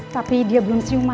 tapi dia belum senyuman